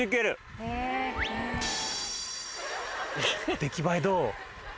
出来栄えどう？